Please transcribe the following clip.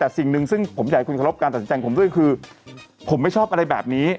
เรื่องของแฟนเพจหนึ่งนะครับ